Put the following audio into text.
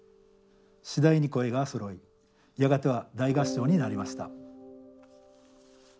次第に声がそろいやがては大合唱になりました。